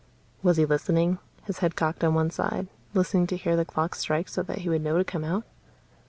Was he listening, his head cocked on one side, listening to hear the clock strike so that he would know to come out?